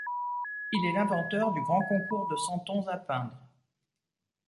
Il est l'inventeur du Grand Concours de Santons à Peindre.